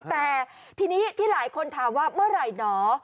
แต่ทีนี้ที่หลายคนถามว่าเมื่อไหร่หนอ